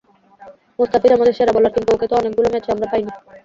মুস্তাফিজ আমাদের সেরা বোলার, কিন্তু ওকে তো অনেকগুলো ম্যাচে আমরা পাইনি।